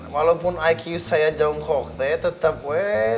walaupun iq saya jongkok teh tetap weh